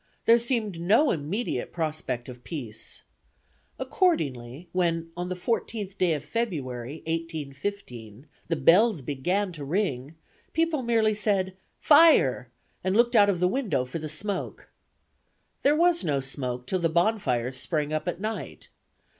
There seemed no immediate prospect of peace. Accordingly, when, on the 14th day of February, 1815, the bells began to ring, people merely said, "Fire!" and looked out of window for the smoke. There was no smoke till the bonfires sprang up at night.